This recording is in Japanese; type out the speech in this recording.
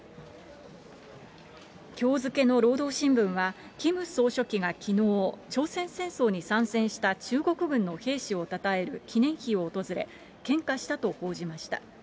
きょう付けの労働新聞は、キム総書記がきのう、朝鮮戦争に参戦した中国軍の兵士をたたえる記念碑を訪れ、献花したと報じました。